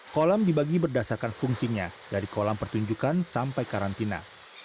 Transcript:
kolam dibagi berdasarkan fungsinya dari kolam pertunjukan sampai karantina